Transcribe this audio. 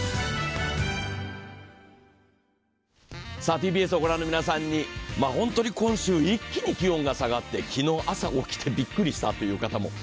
ＴＢＳを御覧の皆さんに、今週一気に気温が下がって、昨日、朝起きてびっくりしたという方も。